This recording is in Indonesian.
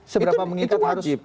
seberapa mengikat harus wajib